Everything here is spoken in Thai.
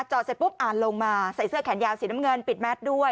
เสร็จปุ๊บอ่านลงมาใส่เสื้อแขนยาวสีน้ำเงินปิดแมทด้วย